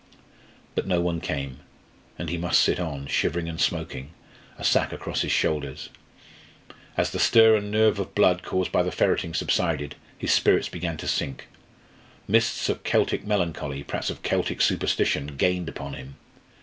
But no one came, and he must sit on, shivering and smoking, a sack across his shoulders. As the stir of nerve and blood caused by the ferreting subsided, his spirits began to sink. Mists of Celtic melancholy, perhaps of Celtic superstition, gained upon him.